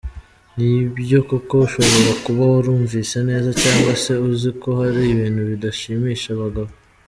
Nibyo koko ushobora kuba warumvise neza cyangwa se uzi ko hari ibintu bidashimisha abagabo.